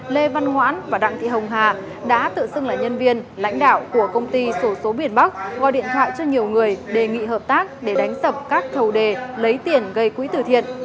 lê văn ngoãn và đặng thị hồng hà đã tự xưng là nhân viên lãnh đạo của công ty sổ số biển bắc gọi điện thoại cho nhiều người đề nghị hợp tác để đánh sập các thầu đề lấy tiền gây quỹ từ thiện